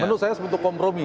menurut saya bentuk kompromi